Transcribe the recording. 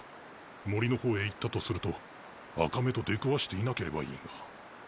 森の方へ行ったとすると赤目と出くわしていなければいいが。